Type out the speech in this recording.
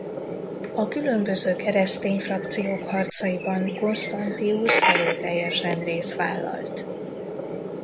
A különböző keresztény frakciók harcaiban Constantius erőteljesen részt vállalt.